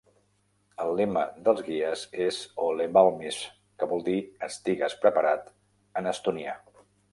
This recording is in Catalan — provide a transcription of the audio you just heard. El lema dels guies és "Ole Valmis", que vol dir "Estigues preparat" en estonià.